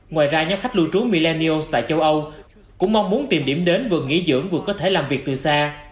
ngoài ra nhóm khách lưu trú millenios tại châu âu cũng mong muốn tìm điểm đến vừa nghỉ dưỡng vừa có thể làm việc từ xa